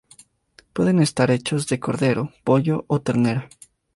Pueden estar hechos de cordero, pollo o ternera.